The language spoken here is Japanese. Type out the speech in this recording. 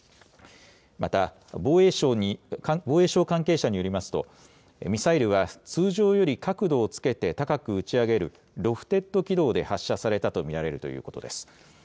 また、防衛省関係者によりますと、ミサイルは通常より角度をつけて高く打ち上げる、ロフテッド軌道で発射されたと見られるということです。